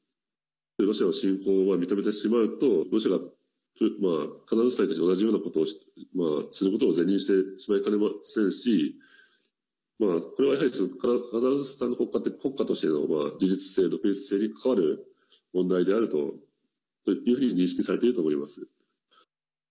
ロシアの侵攻を認めてしまうとロシアがカザフスタンに対して同じようなことをすることを是認してしまいかねませんしこれはやはりカザフスタンの国家としての事実性、独立性に関わる問題であるというふうに認識されていると思います。